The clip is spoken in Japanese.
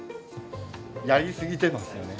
やり過ぎてますよね。